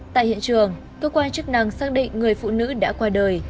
tại hiện trường cơ quan chức năng xác định người phụ nữ đã qua đời